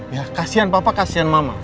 ya kasian bapak kasian mama